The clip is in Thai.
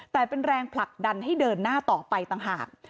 แต่เป็นแรงผลักดันให้เดินหน้าต่อไปต่างหาก